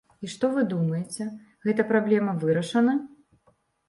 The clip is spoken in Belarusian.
І што вы думаеце, гэта праблема вырашана?